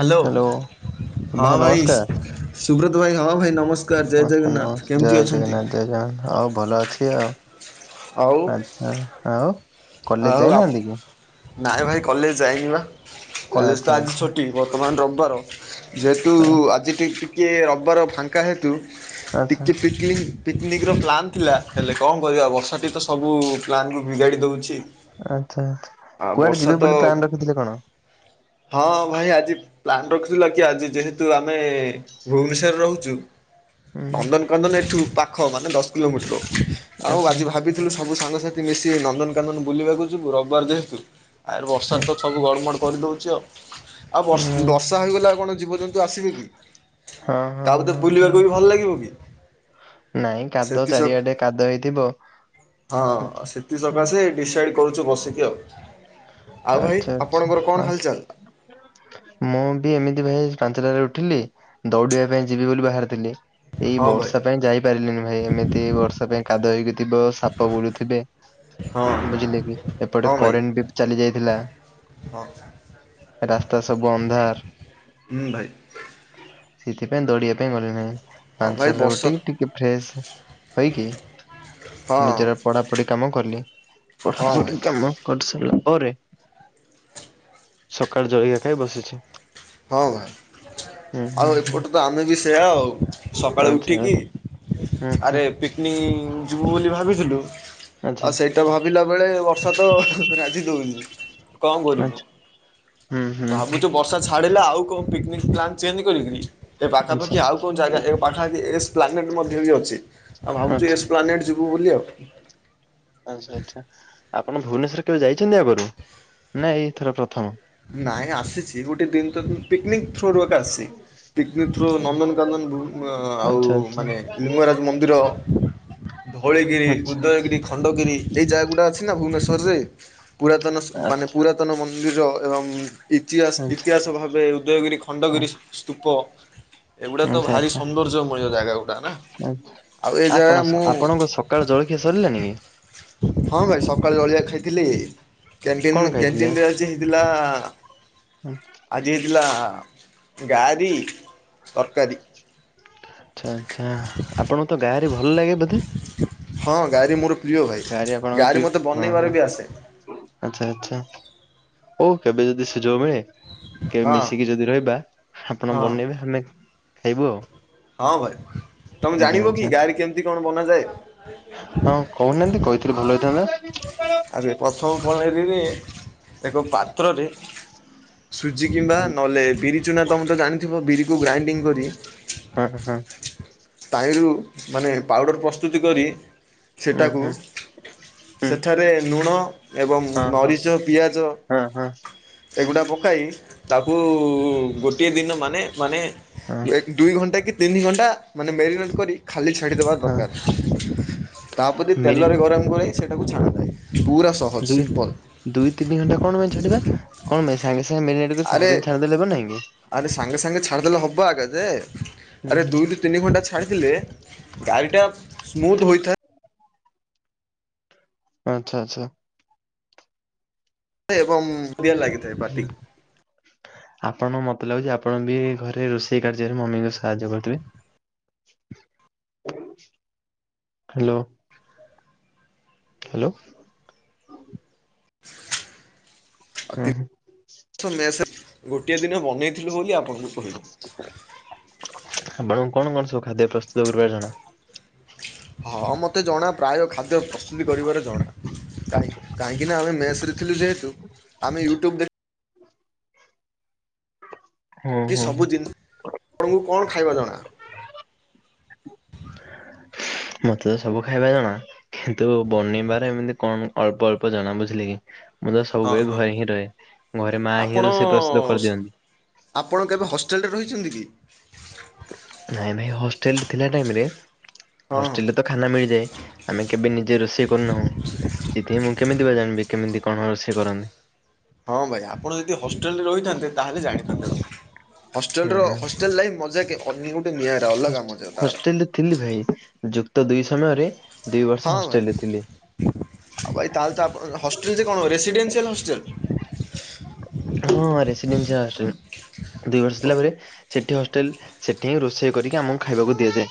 Hello hello ହଁ ଭାଇ ସୁବ୍ରତ୍ ଭାଇ ହଁ ଭାଇ ନମସ୍ ନମସ୍କା ନମ ଜୟ ଜଗନ୍ନାଥ ଜୟ ଜଗନ୍ନା ଆ ଭଲ ଅଛି ଆଉ। ଆଉ। ହ ଆଉ। କଲେଜ ଆଉ ଆ ଯାଇନାହାନ୍ତି କି ନାଇଁ ଭାଇ କଲେଜ୍ ଯାଇନି ବା କଲେଜ୍ ଆଚ୍ଛା ତ ଆଜି ଆଚ୍ଛା। ଛୁଟି। ବର୍ତ୍ତମାନ ରବିବାର ଯେହେତୁ ଆ- ଆଜି ଟି ଟିକଏ ରବିବାର ଫା କା ହେତୁ ଆଚ୍ଛା ଟିକେ ପି କି ପିକନିକ୍ ର ପ୍ଲାନ୍ ଥିଲା ହେଲେ କଣ କରିବା ବର୍ଷାଟି ତ ସବୁ ପ୍ଲାନ୍ କୁ ବିଗାଡ଼ି ଦେଉଛି। ଆଛା କୁଆଡେ ଯିବେ ବୋଲି ପ୍ଲାନ ରଖିଥିଲେ କଣ? ହଁ ଭାଇ ଆଜି ପ୍ଲାନ୍ ରଖୁଥିଲୁ କି ଆଜି ଯେହେତୁ ଆମେ ଭୁବନେଶର୍ ରହୁଚୁ। ଉଁ ହୁଁ ନନ୍ଦନ୍ କନ୍ଦନ୍ ଏଠୁ ପାଖ ମାନେ ଦଶ୍ କିଲୋମିଟର ଆଉ ଆଚ୍ଛା ଆଜି ଭାବି ଥିଲୁ ସବୁ ସାଙ୍ଗସାଥି ମିଶି ନନ୍ଦନକାନନ୍ ବୁଲିବାକୁ ଯିବୁ ରବିବାର୍ ଯେହେତୁ। ଆରେ ବର୍ଷା ହୁଁ ତ ହୁଁ। ସବୁ ଗଡ଼୍ ମଡ଼୍ କରିଦୋଉଚି ଆଉ ଆଉ ବ ବର୍ଷା ହୋଇଗଲେ ଆଉ କଣ ଜୀବଜ- ତୁ ଆସିବୁ କି ହଁ ହଁ ତାପେ ତ ହଁ ହଁ ବୁଲିବାକୁ ବି ଭଲ୍ ଲାଗିବ କି? ନାଇଁ କାଦ ସେଥିସ ଚାରିଆଡେ କାଦ ହେଇଥିବ। ହୁଁ, ହଁ ସେଥି ସକାଶେ ଡିସାଇଡ଼୍ କରୁଚୁ ବସିକି ଆଉ, ଆଉ ଭାଇ ଆଚ୍ଛା ଆଚ୍ଛା ଆପଣଙ୍କର ହଁ, କଣ ହାଲ୍ ଚାଲ୍? ମୁଁ ବି ଏମିତି ଭାଇ ପାଞ୍ଚଟାରେ ଉଠିଲି ଦୌଡିବା ପାଇଁ ଯିବି ବୋଲି ବାହାରିଥିଲି। ଏଇ ହଁ ଭାଇ ବର୍ଷା ପାଇଁ ଯାଇପାରିଲିନି ଭାଇ ଏମିତି ବର୍ଷା ପାଇଁ କାଦୁଅ ହେଇକି ଥିବ ସାପ ବୁଲୁଥିବେ। ହଁ ବୁଝିଲେ କି ଏପଟେ ହଁ ଭାଇ କରେଣ୍ଟ୍ ବି ଚାଲି ଯାଇଥିଲା ହଁ। ରାସ୍ତା ସବୁ ଅନ୍ଧାର୍। ହୁଁ ଭାଇ। ସେଥିପାଇଁ ଦୋଉଡିବା ପାଇଁ ଗଲି ନାହିଁ ହଁ ପାଞ୍ଚ୍ ଭାଇ ସର୍ ରୁ ବର୍ଷା ଉଟିକ ଟିକେ ଫ୍ରେଶ ହୋଇକି ହଁ ନିଜର ପଢାପଢି କାମ କଲି ହଁ ଭାଇ ପଢାପଢି କାମ କରି ସାରିଲା ପରେ ସକାଳ ଜଳିଖିଆ ଖାଇ ବସିଚି। ହଁ ହୁଁ ଆଉ ହୁଁ ଏପଟେ ତ ଆମେ ବି ସେୟଆ ଆଉ ସକାଳୁ ଆଚ୍ଛା ଉଠିକି ହୁଁ ହୁଁ। ଆରେ ପିକ୍ ନିକ୍ ଯିବୁ ବୋଲି ଭାବିଥିଲୁ। ଆଚ୍ଛା ଆଉ ସେଇଟା ଭାବିଲା ବେଳେ ବର୍ଷା ତ ରାଜି ଦୋଉନି କଣ କରିବୁ। ଆଚ୍ଛା ହୁଁ ହୁଁ। ଏଇ ହୁଁ ଯୋଉ ବର୍ଷା ଛାଡ଼ିଲା ଆଉ କଣ ପିକନିକ ପ୍ଲାନ୍ ଚେଞ୍ଜ କରି ଏ ଆଚ୍ଛା ପାଖାପାଖି ଆଉ କୋଉ ଜାଗା ଏ ପାଖାପାଖି ଏସ ପ୍ଲାନେଟ ମଧ୍ୟ ବି ଅଛି। ଆଉ ଭାବୁଛୁ ଆଚ୍ଛା ଏସପ୍ଲାନେଟ ଯ ତୁ ବୋଲି ଆଉ। ଆଛା ଆଚ୍ଛା ଆପଣ ଭୁବନେଶ୍ରରେ କେବେ ଯାଇଛନ୍ତି ଆଗରୁ ନା ଏଇଥର ପ୍ରଥମ? ନାଇଁ ଆସିଛି ଗୋଟେ ଦିନ ତ ପିକନିକ ଥ୍ରୋରୁୁ ଏକ ଆସି ପିକନିକ୍ ଥ୍ରୋ ନନ୍ଦନକାନନ ଆଉ ମାନେ ଲିଙ୍ଗରାଜ ମନ୍ଦିର ହ ଧୋଉଳିଗିରି ଉଦୟଗିରି ଖଣ୍ଡଗିରି ଏଇ ଜାଗାଗୁଡ଼ା ଅଛି ନା ଭୁବନେଶ୍ୱରରେ ପୁରାତନ ମାନେ ଆଚ୍ଛା ପୁରାତନ ମନ୍ଦିର ଏବଂ ଇତିହାସ ଆଚ୍ଛା ଇତିହାସ ଭାବେ ଉଦୟଗିରି ଖଣ୍ଡଗିରି ସ୍ତୂପ ଏଗୁଡା ତ ଆଚ୍ଛା ଆଚ୍ଛା ଭାରି ସୌନ୍ଦର୍ଯ୍ୟମୂଳ ଜାଗା ଗୁଡା ନା ଆଚ୍ଛା। ଆଉ ଏ ଜାଗା ଆପଣ ମୁଁ ଆପଣଙ୍କ ସକାଳ ଜଳଖିଆ ସରିଲାଣିି କି? ହଁ ଭାଇ ସକାଳେ ଜଳଖିଆ ଖାଇଥିଲି କଣ କ୍ୟାଣ୍ଟିନ ଖାଇଥିଲେ? କ୍ୟାଣ୍ଟିନ୍ରେ ଥିଲା ହୁଁ। ଲା ଗାରି ତରକାରୀ। ଆଛା ଆଛା ଆପଣଙ୍କୁ ତ ଗାଁରେ ଭଲ ଲାଗେ ବୋଧେ? ହଁ ଗାଁରେ ମୋର ପ୍ରିୟ ଭାଇ ଗାଁରେ ଆପଣଙ୍କ ପ୍ରିୟ ଗାଁରେ ମୋତେ ହଁ ହଁ ବନେଇବାର ବି ଆସେ। ଆଚ୍ଛା ଆଚ୍ଛା ଓ କେବେ ଯଦି ସୁଯୋଗ ମିଳେ କେବେ ହଁ ମିଶିକି ଯଦି ରହିବା ଆପଣ ହଁ ବନେଇବେ ଆମେ ଖାଇବୁ ଆଉ। ହଁ ଭାଇ ତମେ ଆଚ୍ଛା ଜାଣିବ ଆଚ୍ଛା କି ଗାରେ କେମିତି କଣ ବନାଯାଏ? ହଁ କହୁନାହାନ୍ତି କହିଥିଲି ଭଲ ହେଇଥାନ୍ତା। ଆରେ ପ୍ରଥମ ଫ [unintelligible] ଏକ ପାତ୍ରରେ ସୁଜି କିମ୍ବା ନହେଲେ ବିରି ଚୁନା ତମେ ତ ଜାଣିଥିବ ବିରିକୁ ଗ୍ରାଇଣ୍ଡିଙ୍ଗ କରି ହଁ ହଁ। ତାଇଲରୁ ମାନେ ପାଉଡ଼ର ପ୍ରସ୍ତୁତି କରି ଉଁ ସେଟାକୁ ହୁଁ ହୁଁ। ସେଠାରେ ଲୁଣ ଏବଂ ହଁ ହଁ ନରିଚ ପିଆଜ ହଁ ହଁ ଏଗୁଡ଼ା ପକାଇ ତାକୁ ଗୋଟିଏ ଦିନ ମାନେ ମାନେ ହଁ ଏ ଦୁଇ ଘଣ୍ଟା କି ତିନି ଘଣ୍ଟା ମାନେ ମ୍ୟାରିନେଟ୍ କରି ଖାଲି ଛାଡ଼ିଦବା ହଁ ଦରକାର ତାପରେ ମେରି ତେଲରେ ଗରମ କରାଇ ସେଇଟାକୁ ଛାଡ଼ାଯାଏ। ପୁରା ସହଜ ଦୁଇ ସିମ୍ପଲ ଦୁଇ ତିନି ଘଣ୍ଟା କଣ ପାଇଁ ଛାଡିବା କଣ ପାଇଁ ସାଙ୍ଗେ ସାଙ୍ଗେ ମ୍ୟାରିନେଟ କରିକି ଆରେ ସାଙ୍ଗେ ସାଙ୍ଗେ ଛାଡ଼ିଦେଲେ ହବ ନାଇଁ କି? ଆରେ ସାଙ୍ଗେ ସାଙ୍ଗେ ଛାଡ଼ିଦେଲେ ହବ ଆଗ ଯେ ହୁଁ ଆରେ ହୁଁ ଦୁଇ ତିନି ଘଣ୍ଟା ଛାଡ଼ିଥିଲେ ଗାଡ଼ିଟା ସ୍ମୁଥ୍ ହୋଇଥାଏ ଆଚ୍ଛା ଆଚ୍ଛା। ଏବଂ ବଢିଆ ଲାଗେ। ହୁଁ। ଆପଣଙ୍କୁ ମତେ ଲାଗୁଛି ଆପଣ ବି ଘରେ ରୋଷେଇ କାର୍ଯ୍ୟରେ ମମିଙ୍କୁ ସାହାଯ୍ୟ କରୁଥିବେ? ହ୍ୟାଲୋ। ହ୍ୟାଲୋ। ଆଉ ହୁଁ ହୁଁ ତିନ ମେସରେ ଗୋଟିଏ ଦିନ ବନେଇଥିଲୁ ବୋଲି ଆପଣଙ୍କୁ କହିଲି। ଆପଣଙ୍କୁ କଣ କଣ ସବୁ ଖାଦ୍ୟ ପ୍ରସ୍ତୁତ କରିବାର ଜଣା? ହଁ ମତେ ଜଣା ପ୍ରାୟ ଖାଦ୍ୟ ପ୍ରସ୍ତୁତି କରିବାର ଜଣା କାଁହିଁ କାହିଁକିନା ଆମେ ମେସ୍ରେ ଥିଲୁ ଯେହେତୁ ଆମେ ୟୁ୍ଟ୍ୟୁବ୍ ଦେ ହୁଁ ହୁଁ ହୁଁ ସବୁ ଜିନିଷ ଆପଣଙ୍କୁ କଣ ଖାଇବା ଜଣା? ମତେ ତ ସବୁ ଖାଇବା ଜଣା କିନ୍ତୁ ବନିବାରେ ଏମିତି କଣ ଅଳ୍ପ ଅଳ୍ପ ଜଣା ବୁଝିଲେ କି। ମୁଁ ତ ହଁ ସବୁବେଳେ ହଁ ଘରେ ହିଁ ରହେ। ଘରେ ମାଆ ଆପଣ ହିଁ ରୋଷେଇ ପ୍ରସ୍ତୁତ କରିଦିଅନ୍ତି। ଆପଣ କେବେ ହଷ୍ଟେଲରେ ରହିଚନ୍ତି କି? ନାଇଁ ଭାଇ ହଷ୍ଟେଲରେ ଥିଲା ଟାଇମରେ ହଁ ହଁ ହଷ୍ଟେଲରେ ତ ଖାନା ମିଳିଯାଏ ଆମେ କେବେ ନିଜେ ରୋଷେଇ କରୁନାହୁଁ। ସେଥିପାଇଁ ମୁଁ କେମିତି ବା ଜାଣିବି କେମିତି କଣ ରୋଷେଇ କରନ୍ତି? ହଁ ଭାଇ ଆପଣ ଯଦି ହଷ୍ଟେଲ ରେ ରହିଥାନ୍ତେ ତାହେଲେ ଜାଣିଥାନ୍ତେ। ହଷ୍ଟେଲ ର ହୁଁ ହଷ୍ଟେଲ ଲାଇଫ ମଜା ଅ ଗୋଟେ ନିଆରା ଅଲଗା ହଷ୍ଟ୍ ମଜା ତାର। ହଷ୍ଟେଲରେ ଥିଲି ଭାଇ ଯୁକ୍ତ ଦୁଇ ସମୟରେ ଦି ବର୍ଷ ହଁ ଭାଇ ହଷ୍ଟଲରେ ଥିଲି। ଆଉ ଭାଇ ତାହେଲେ ତ ଆପଣ ହଷ୍ଟେଲ ଯେ କଣ ରେସିଡେନ୍ସିଆଲ ହଷ୍ଟେଲ? ହଁ ରେସିଡେନସିଆଲ ହଷ୍ଟେଲ ରେ ଦି ବର୍ଷ ଲା ପରେ ସେଠି ହଷ୍ଟେଲ ସେଠି ହିଁ ରୋଷେଇ କରିକି ଆମକୁ ଖାଇବାକୁ ଦିଆଯାଏ।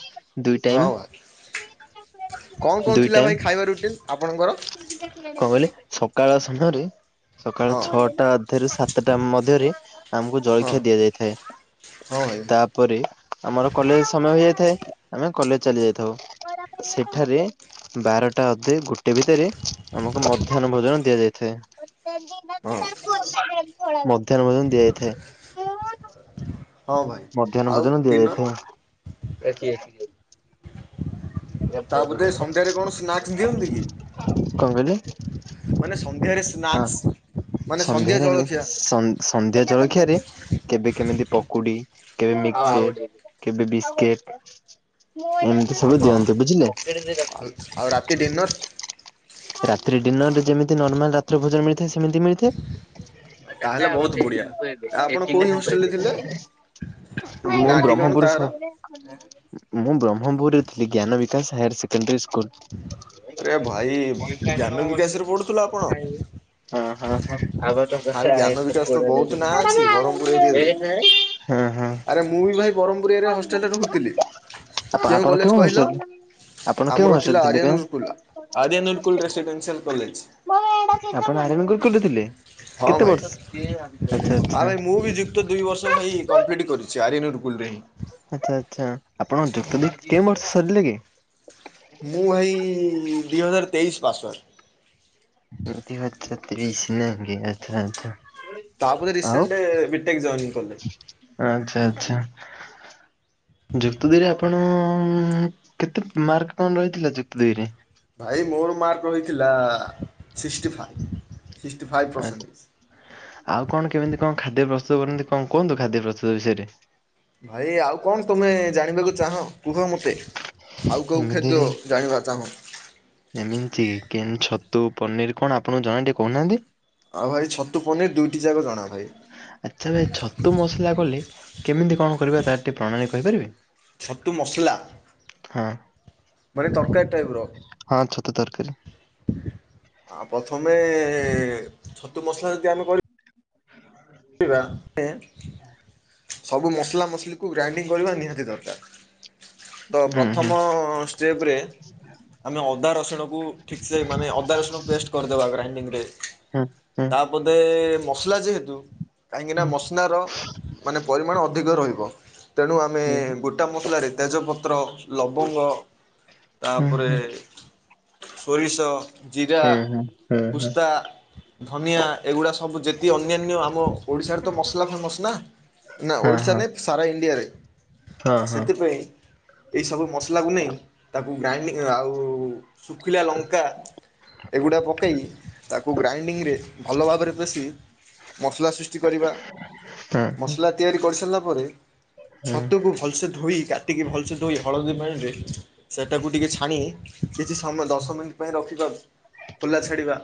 ଦୁଇ ହଁ ଟାଇମ୍ ଭାଇ। କଣ କଣ ଦୁଇ ଥିଲା ଟାଇମ୍ ଭାଇ ଖାଇବା ରୁଟିନ୍ ଆପଣଙ୍କର? କଣ କହିଲେ, ସକାଳ ସମୟ ରେ ସକାଳ ହଁ ଛଅଟା ଅଧରୁ ସାତ ସାତ ଟା ମଧ୍ୟରେ ଆମକୁ ହଁ ଜଳଖିଆ ଦିଆଯାଇ ଥାଏ। ହଁ ଭାଇ ତାପରେ ଆମର କଲେଜ ସମୟ ହେଇ ଯାଇଥାଏ। ଆମେ କଲେଜ ଚାଲି ଯାଇଥାଉ। ସେଠାରେ ବାରଟା ଅଧେ ରୁ ଗୋଟେ ଭିତରେ ଆମକୁ ମଧ୍ୟାହ୍ନ ଭୋଜନ ଦିଆଯାଇଥାଏ। ହଁ ମଧ୍ୟାହ୍ନ ମଧ୍ୟ ଦିଆଯାଇଥାଏ। ହଁ ଭାଇ। ମଧ୍ୟାହ୍ନ ଆଉ ଭୋଜନ ଡିନର ଦିଆଯାଇଥାଏ। ତା ବଧେ ସନ୍ଧ୍ୟାରେ କଣ ସ୍ନାକ୍ସ ଦିଅନ୍ତି କି? କଣ କହିଲେ? ମାନେ ସନ୍ଧ୍ୟାରେ ହଁ ସ୍ନାକ୍ସ ମାନେ ସନ୍ଧ୍ୟା ସନ୍ଧ୍ୟାରେ ଏମ ଜଳଖିଆ ସନ୍ ସନ୍ଧ୍ୟା ଜଳଖିଆରେ କେବେ କେମିତି ପକୁଡି କେବେ ହଁ ହଁ। ମିକ୍ଚେର। କେବେ ବିସ୍କେଟ ଏମିତି ସବୁ ଆଉ ଦିଅନ୍ତି। ଏ ବୁଝିଲେ? ଆଉ ରାତି ଡିନର୍ ରାତିରେ ଡିନରରେ ଯେମିତି ନର୍ମାଲ ରାତିରେ ଭୋଜନ ମିଳିଥାଏ ସେମିତି ମିଳିଥାଏ। ତାହେଲେ ବହୁତ ବଢ଼ିଆ। ଆପଣ କୋଉ ହଷ୍ଟେଲରେ ଥିଲେ? [unintelligible] ନାଁ ମେନ୍ ଠିକଣା ବ୍ରହ୍ମପୁର ତାର? ସହ ମୁଁ ବ୍ରହ୍ମପୁରରେ ଥିଲି। ଜ୍ଞାନ ବିକାଶ ହାୟାର ସେକେଣ୍ଡାରୀ ସ୍କୁଲ। ଆରେ ଭାଇ ହଁ ହଁ ଜ୍ଞାନ ବିକାଶ ରେ ପଢୁଥିଲୁ ଆପଣ? ହଁ ଆରେ ଜ୍ଞାନ ହଁ ବିକାଶ ତ ବହୁତ ନାଁ ଅଛି ହଁ। ବ୍ରହ୍ମପୁର ଏରିଆରେ। ହଁ ହଁ। ଆରେ ମୁଁ ବି ଭାଇ ବ୍ରହ୍ମପୁରିଆ ଏରିଆରେ ହଷ୍ଟେଲରେ ରହୁଥିଲି। ଆ ଆପଣ କଲେଜ କେଉଁ ହସ କହିଲ? ଆମର ଥିଲା ଆରିଆନରୁକୁଲ Aryan Gurukul residential college. ଆପଣ ଆରାୟାନ ଗୁରୁକୁଲ୍ ରେ ଥିଲେ? ହଁ କେତେ ବର୍ଷ ଭାଇ ଆଚ୍ଛା ଆଚ୍ଛା ହଁ ଭାଇ ମୁଁ ବି ଯୁକ୍ତ ଦୁଇ ବର୍ଷ ଭାଇ କମ୍ପ୍ଲିଟ୍ କରିୁଚି। ସେଇ ଆରାୟାନ୍ ଗରୁକୁଲ ରେ ହିଁ। ଆଚ୍ଛା ଆଚ୍ଛା ଆପଣଙ୍କ ଯୁକ୍ତ ଦୁଇ କେଉଁ ବର୍ଷ ସରିଲେ କି? ମୁଁ ଭାଇ ଦି ହଜାର ତେଇଶି ପାଶର। ଆଛା ଆଛା ଦି ହଜାର ତେଇଶ ନେଇକି ଆଚ୍ଛା ଆଛା। ତାପତ ରିସେଣ୍ଟଲି ବିଟେକ୍ ଜଏନ କଲି। ଆଚ୍ଛା ଆଚଛା। ଯୁକ୍ତ ଦୁଇରେ ଆପଣ କେତେ ମାର୍କ କଣ ରହିଥିଲା ଯୁକ୍ତ ଦୁଇରେ? ଭାଇ ମୋର ମାର୍କ ରହିଥିଲା ସିକ୍ସଟି ଫାଇଭ୍ ସିକ୍ସଟି ଫାଇଭ୍ ଆଚ୍ଛା ପରସେଣ୍ଟେ। ଆଉ କଣ କେମିତି କଣ ଖାଦ୍ୟ ପ୍ରସ୍ତୁତ କରନ୍ତି କଣ କୁହନ୍ତୁ ଖାଦ୍ୟ ପ୍ରସ୍ତୁତ ବିଷୟରେ? ଭାଇ ଆଉ କଣ ତମେ ଜାଣିବାକୁ ଚାହ କୁହ ମତେ? ଆଉ କୋଉ ଏମିତି ଖାଦ୍ୟ ଜାଣିବାକୁ ଚାହୁଁଚ? ଏମିତି କେନ୍ ଛତୁ ପନିର କଣ ଆପଣଙ୍କୁ ଜଣା ଟିକେ କହୁନାହାନ୍ତି? ଆଉ ଭାଇ ଛତୁ ପନିର ଦୁଇଟି ଯାକ ଜଣା ଭାଇ। ଆଚ୍ଛା ଭାଇ ଛତୁ ମସଲା କଲେ କେମିତି କଣ କରିବା ତାର ଟିକେ ପ୍ରଣାଳୀ କହିପାରିବେ? ଛୋତୁ ମସଲା? ହଁ। ମାନେ ତରକାରୀ ଟାଇପ ର। ହଁ ଛତୁ ତରକାରୀ ଆ ପ୍ରଥମେ ଛତୁ ମସଲା ଯଦି ଆମେ କରି ଆମେ ସବୁ ମସଲା ମସଲିକୁ ଗ୍ରାଇଣ୍ଡିଙ୍ଗ କରିବା ନିହାତି ଦରକାର। ତ ହୁଁ ହୁଁ। ପ୍ରଥମ ଷ୍ଟେପରେ ଆମେ ଅଦା ରସୁଣକୁ ଠିକ୍ସେ ମାନେ ଅଦା ରସୁଣ ପେଷ୍ଟ କରିଦେବା ଗ୍ରାଇଣ୍ଡିଙ୍ଗରେ। ହୁଁ ହୁଁ। ବୋଧେ ମସଲା ଯେହେତୁ କାହିଁକି ନା ହୁଁ ମସଲାର ମାନେ ପରିମାଣ ଅଧିକ ରହିବ। ତେଣୁ ଆମେ ହୁଁ ଗୋଟା ମସଲାରେ ତେଜପତ୍ର, ଲବଙ୍ଗ। ତା ହୁଁ ପରେ ସୋରିଷ। ଜିରା, ହୁଁ ହୁଁ ହୁଁ ହୁଁ ପୁସ୍ତା। ଧନିଆ ଏଗୁଡ଼ା ସବୁ ଯେତିକି ଅନ୍ୟାନ୍ୟ ଆମ ଓଡ଼ିଶାରେ ତ ମସଲା ଫେମସ୍ ନା। ନା ହଁ ଓଡ଼ିଶା ହଁ ନାଇ ସାରା ଇଣ୍ଡିଆରେ ହଁ ହଁ। ସେଥିପାଇଁ ଏଇ ସବୁ ମସଲା ଲାଗୁନି ତାକୁ ଗ୍ରାଇଣ୍ଡିଙ୍ଗ ଆଉ ଶୁଖିଲା ଲଙ୍କା। ଏଗୁଡ଼ା ପକାଇ ତାକୁ ଗ୍ରାଇଣ୍ଡିଙ୍ଗରେ ଭଲ ଭାବରେ ପେଶି ମସଲା ସୃଷ୍ଟି କରିବା। ହଁ ମସଲା ତିଆରି କରିସାରିଲା ପରେ ହଁ ଛତୁକୁ ଭଲସେ ଧୋଇ କାଟିକି ଭଲସେ ଧୋଇ ହଳଦୀ ପାଣିରେ ସେଇଟାକୁ ଟିକେ ଛାଣି କିଛି ସମୟ ଦଶ ମିନିଟ୍ ପାଇଁ ରଖିବା ଖୋଲା ଛାଡିବା।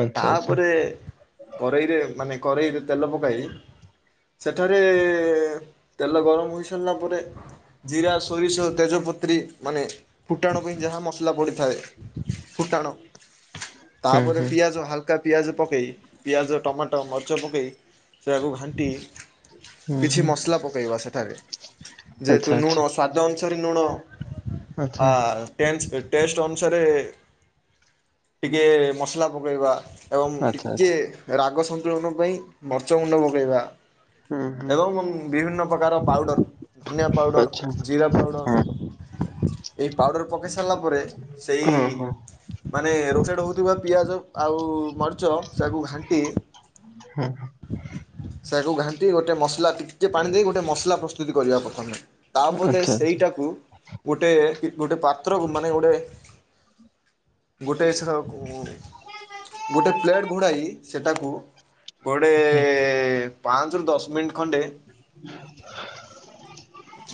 ଆଚ୍ଛା ଆଚ୍ଛା ତାପରେ କରେଇ ରେ ମାନେ କରେଇ ତେଲ ପକାଇ ସେଠାରେ ତେଲ ଗରମ ହୋଇ ସାରିଲା ପରେ ଜିରା, ସୋରିଷ, ତେଜପତ୍ରୀ ମାନେ ଫୁଟାଣ ପାଇଁ ଯାହା ମସଲା ପଡ଼ିଥାଏ। ଫୁଟାଣ ହୁଁ ତାପରେ ହୁଁ ପିଆଜ ହାଲ ଲଙ୍କା, ପିଆଜ ପକାଇ ପିଆଜ, ଟମାଟୋ, ମରିଚ ପକାଇ ସେୟାକୁ ଘାଣ୍ଟି ହୁଁ କିଛି ହୁଁ ମସଲା ପକେଇବା ସେଠାରେ ଯେହେତୁ ଆଚ୍ଛା ଲୁଣ ସ୍ଵାଦ ଅନୁସାରେ ଲୁଣ ଆଚ୍ଛା ଆ ଟେନ୍ସ ଟେଷ୍ଟ ଅନୁସାରେ ଟିକେ ମସଲା ପକେଇବା। ଏବଂ ଆଚ୍ଛା ଆଚ୍ଛା ଟିକେ ଆଚ୍ଛା ରାଗ ସନ୍ତୁଳନ ପାଇଁ ମର୍ଚ ଗୁଣ୍ଡ ପକାଇବା। ହୁଁ ହୁଁ ଏବଂ ବିଭିନ୍ନ ପ୍ରକାର ପାଉଡର୍ ଧନିଆ ପାଉଡ଼ର, ଆଚ୍ଛା ଜୀରା ପାଉଡ଼ର। ଏଇ ପାଉଡ଼ର ପକେଇ ସାରିଲା ପରେ ସେଇ ହଁ ହଁ ମାନେ ରୋସେଡ଼୍ ହେଉଥିବା ପିଆଜ ଆଉ ମରିଚ ତାକୁ ଘାଣ୍ଟି ହୁଁ। ତାକୁ ଘାଣ୍ଟି ଗୋଟେ ମସଲା ଟିକିଏ ପାଣି ଦେଇ ଗୋଟେ ମସଲା ପ୍ରସ୍ତୁତ କରିବା ପ୍ରଥମେ। ହଁ ତାପ ରେ ଆଚ୍ଛା ସେଇଟାକୁ ଗୋଟେ ଗୋଟେ ପାତ୍ରକୁ ମାନେ ଗୋଟେ ଗୋଟେ ଏସ ର ଉଁ ଗୋଟେ ପ୍ଲେଟ ଘୋଡ଼ାଇ ସେଟାକୁ ଗୋଟେ ଆଚ୍ଛା ପାଞ୍ଚରୁ ଦଶ ମିନିଟ୍‌ ଖଣ୍ଡେ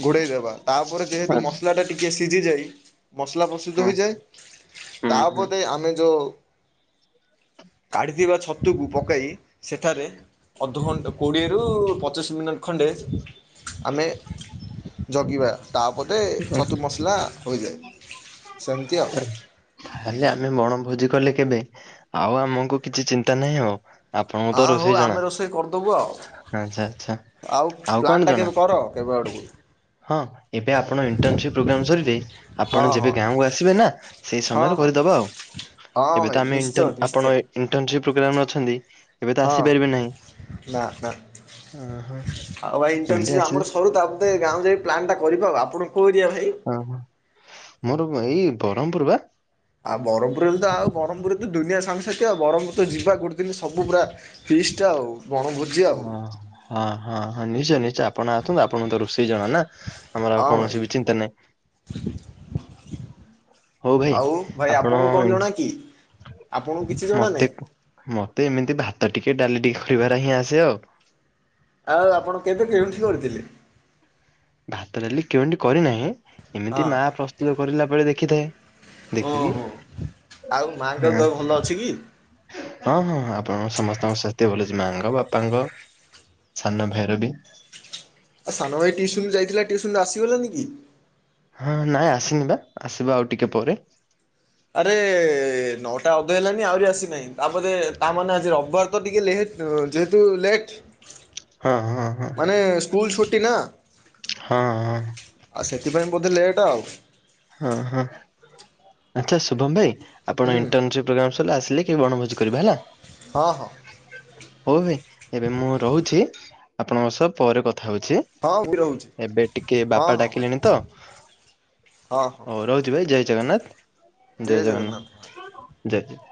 ଘୋଡ଼େଇ ଦେବା, ତାପରେ ଯେହେତୁ ମସଲା ଟା ଟିକେ ସିଝି ଯାଇ ମସଲା ପ୍ରସ୍ତୁତି ଆଚ୍ଛା ହୋଇଯାଏ ହଁ ହୁଁ ତା ହୁଁ ଉପରେ ଆମେ ଯଉ କାଢିଥିବା ଛତୁକୁ ପକେଇ ସେଠାରେ ଅଧଘଣ୍ଟା କୋଡ଼ିଏ ରୁ ପଚିଶ ପଚିଶ ମିନିଟ୍ ଖଣ୍ଡେ ଆମେ ଜଗିବା। ତାପରେ ଛତୁ ମସଲା ହୋଇଯାଏ ସେମତି। [inaudible] ତାହେଲେ ଆମେ ବଣଭୋଜି କଲେ କେବେ ଆଉ ଆମକୁ କିଛି ଚିନ୍ତା ନାହିଁ ଆଉ। ଆପଣଙ୍କୁ ତ ହଁ ହଉ ରୋଷେଇ ଜଣା, ଆମେ କରିଦେବୁ ଆଉ ଆଛା ଆଛା। ଆଉ ପ୍ଲାନ୍ଟା କେବେ କର କେବେ ଆଡ଼କୁ? ହଁ ଏବେ ଆପଣ ଇଣ୍ଟରସିପପ୍ରୋଗ୍ରାମ ସରିବେ ହଁ ଆପଣ ହଁ ଯେବେ ଗାଁକୁ ଆସିବେ ଆସିବେ ନା, ସେଇ ହଁ ସମୟରେ ହଁ କରିଦେବା ଆଉ, ହଁ ଏବେ ଭାଇ ତ ଆମେ ନିଶ୍ଚୟ ନିଶ୍ଚୟ ଆପଣ? ଇଣ୍ଟର୍ନସିପ ପ୍ରୋଗ୍ରାମ ରେ ଅଛନ୍ତି, ଏବେ ତ ହଁ ଆସିପାରିବେ ନାହିଁ। ନା ନା ଅହ। ଆଉ ଭାଇ ଏମିତି ଇଣ୍ଟର୍ନସିପ ଆସିଲେ ଆମର ସରୁ ତା ତାପରେ ତେବେ ଗାଁ ଯାଇ ପ୍ଲାନ୍ ଟା କରିଦେବା, ଆପଣଙ୍କୁ ଓ ହୋ, ମୋର ଏଇ ବରହମପୁର ବା। ଆଉ ବରହମପୁର ରେ ତ ଆଉ ବରହମପୁର ରେ ତ ଦୁନିଆ ସାଙ୍ଗସାଥି ଆ, ବ୍ରହ୍ମପୁର ତ ଯିବା ଗୋଟେ ଦିନି ସବୁ ପୁରା ଫିଷ୍ଟ ଆଉ ବଣଭୋଜି। ଆଉ ଓ ହଁ, ହଁ, ହଁ ନିଶ୍ଚୟ ନିଶ୍ଚୟ। ଆପଣ ଆସନ୍ତୁ, ଆପଣଙ୍କୁ ତ ରୋଷେଇ ଜଣା ନା, ଆମର ଆଉ ହଁ କଣ ଭାଇ ସି ବି ଚିନ୍ତା ନାହିଁ। ହଉ ଭାଇ ଆଉ ଭାଇ ଆପଣ ଆପଣଙ୍କୁ କଣ ଜଣା କି? ଆପଣଙ୍କୁ କିଛି ଜଣା ମତେ ନାହିଁ? ମତେ ଏମିତି ଭାତ ଟିକେ, ଡାଲି ଟିକେ, ଖାଇବାରେ ହିଁ ଆସେ ଆଉ। ଆଉ ଆପଣ କେବେ କେଉଁଠି କରିଥିଲେ? ଭାତ ଡାଲି କେଉଁଠି କରିନାହିଁ, ଏମିତି ହଁ ମା ପ୍ରସ୍ତୁତ କରିଲା ବେଳେ ଦେଖିଥାଏ। ଦେଖିକି ଓହୋ ଆଉ ମାଙ୍କର ହଁ ଦେହ ଭଲ ଅଛି କି? ହଁ ହଁ ଆପଣ ସମସ୍ତଙ୍କ ସ୍ୱାସ୍ଥ୍ୟ ଭଲ ଅଛି, ମାଆଙ୍କ ବାପାଙ୍କ। ସାନ ଭାଇର ବି। ଆ ସାନ ଭାଇ ଟିଉସନ ଯାଇଥିଲା, ଟିଉସନରୁ ଆସିଗଲାନି କି? ହଁ ନାଁ ଆସିନି ବା, ଆସିବା ଆଉ ଟିକେ ପରେ। ଆରେ ନଅଟା ଅଧେ ହେଲାନି ଆହୁରି ଆସିନାହିଁ, ତାପରେ ତାମାନେ ଆଜି ରବିବାର ତ ଟିକେ ଲେହେ ତ ଯେହେତୁ ଲେଟ୍ ହଁ ହଁ ହଁ। ମାନେ ସ୍କୁଲ ଛୁଟି ନା? ହଁ ହଁ। ଆଉ ସେଥିପାଇଁ ବୋଧେ ଲେଟ୍ ଆଉ। ହଁ ହଁ, ଆଛା ଶୁଭମ ଭାଇ ଆପଣ ହୁଁ। ଇଂଟନସିପ ପ୍ରୋଗ୍ରାମ ସରିଲେ ଆସିଲେ ବଣଭୋଜି କରିବା ହେଲା। ହଁ ହଁ ହଉ ଭାଇ ଏବେ ମୁଁ ରହୁଛି ଆପଣଙ୍କ ସହ ପରେ କଥା ହଉଛି। ହଁ ମୁଁ ରହୁଛି ଏବେ ଟିକେ ହଁ ବାପା ହଁ ଭାଇ ଡାକିଲେଣି ତ ହଁ ଅ ରହୁଚି ଭାଇ ଜୟ ଜଗନ୍ନାଥ, ଜୟ ଜଗନ୍ନାଥ। ଜୟ ଜୟ